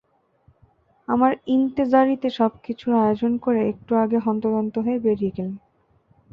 আমার ইন্তেজারিতে সবকিছুর আয়োজন করে একটু আগে হন্তদন্ত হয়ে বেরিয়ে গেলেন।